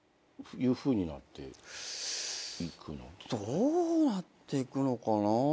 どうなっていくのかな。